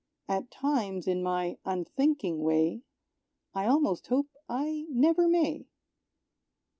(At times, in my unthinking way, I almost hope I never may.)